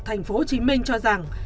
thành phố hồ chí minh cho rằng